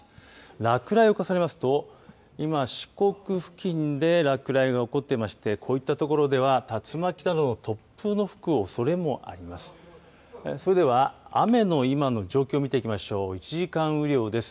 落雷を重ねますと今、四国付近で落雷が起こっていましてこういった所では竜巻などの突風の吹くおそれもあります。